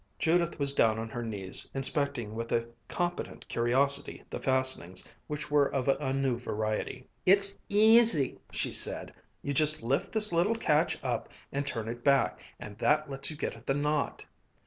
Judith was down on her knees, inspecting with a competent curiosity the fastenings, which were of a new variety. "It's easy!" she said. "You just lift this little catch up and turn it back, and that lets you get at the knot."